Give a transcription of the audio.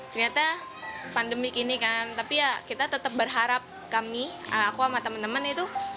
ternyata pandemi kini kan tapi ya kita tetap berharap kami anak aku sama teman teman itu